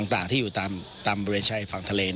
ต่างที่อยู่ตามบริเวณชายฝั่งทะเล